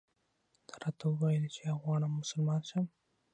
ده راته وویل چې ایا غواړم مسلمان شم.